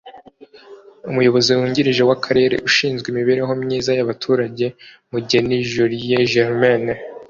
umuyobozi w’ungirije w’akarere ushinzwe imibereho myiza y’abaturage Mugeni Jolie Germaine